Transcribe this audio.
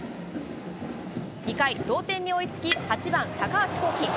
２回、同点に追いつき、８番高橋煌稀。